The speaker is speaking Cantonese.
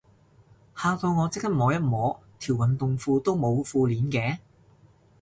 嚇到我即刻摸一摸，條運動褲都冇褲鏈嘅